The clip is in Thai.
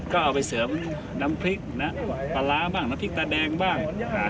ก็เอาไปเสริมน้ำพริกนะปลาร้าบ้างน้ำพริกตาแดงบ้าง